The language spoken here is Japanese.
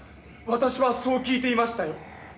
私はそう聞いていましたよ。